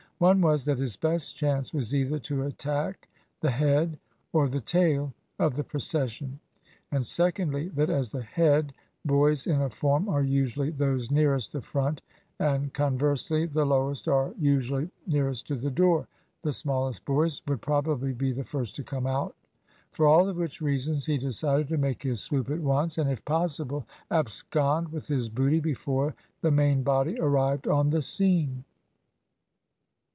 One was that his best chance was either to attack the head or the tail of the procession; and secondly, that as the head boys in a form are usually those nearest the front, and conversely, the lowest are usually nearest to the door, the smallest boys would probably be the first to come out. For all of which reasons he decided to make his swoop at once, and if possible abscond with his booty before the main body arrived on the scene.